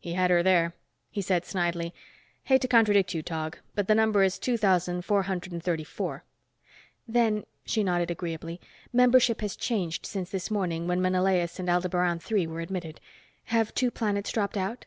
He had her there. He said snidely, "Hate to contradict you, Tog, but the number is two thousand, four hundred and thirty four." "Then," she nodded agreeably, "membership has changed since this morning when Menalaus and Aldebaran Three were admitted. Have two planets dropped out?"